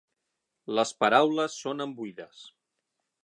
Les paraules sonen buides.